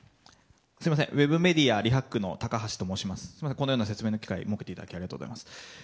このような説明の機会を設けていただきありがとうございます。